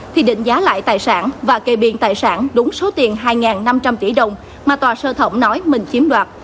thì định giá lại tài sản và kê biên tài sản đúng số tiền hai năm trăm linh tỷ đồng mà tòa sơ thẩm nói mình chiếm đoạt